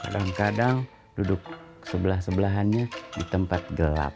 kadang kadang duduk sebelah sebelahannya di tempat gelap